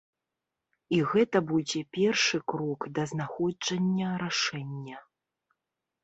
І гэта будзе першы крок да знаходжання рашэння.